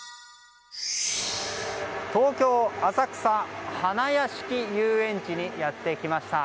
東京・浅草花やしき遊園地にやってきました。